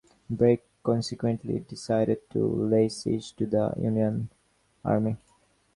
Bragg consequently decided to lay siege to the Union army.